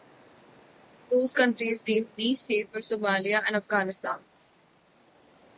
Those countries deemed least safe were Somalia and Afghanistan.